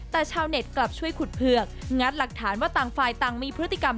แต่ชาวเน็ตกลับช่วยขุดเผือกงัดหลักฐานว่าต่างฝ่ายต่างมีพฤติกรรม